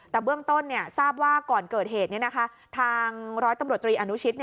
แต่เบื้องต้นทราบว่าก่อนเกิดเหตุทางร้อยตำรวจตรีอนุชิต